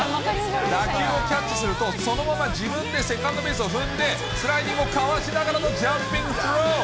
打球をキャッチすると、そのまま自分でセカンドベースを踏んで、スライディングをかわしながらのジャンピングスロー。